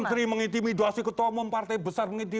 menteri mengintimidasi ketua mempartai besar